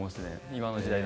今の時代。